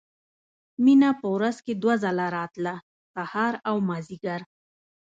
مينه په ورځ کښې دوه ځله راتله سهار او مازديګر.